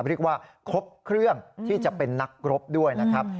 เรียกว่าครบเครื่องที่จะเป็นนักรบด้วยนะครับ